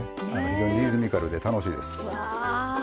非常にリズミカルで楽しいです。